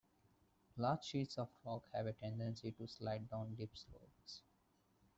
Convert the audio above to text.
Large sheets of rock have a tendency to slide down dip slopes.